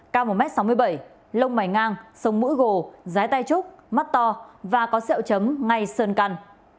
cao một m sáu mươi bảy lông mày ngang sông mũi gồ rái tay trúc mắt to và có sẹo chấm ngay sơn căn